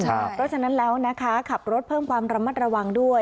เพราะฉะนั้นแล้วนะคะขับรถเพิ่มความระมัดระวังด้วย